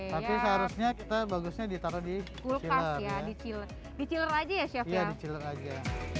tapi seharusnya kita bagusnya ditaruh di kulkas ya di chiller aja ya chef ya